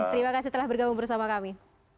terima kasih telah bergabung bersama kami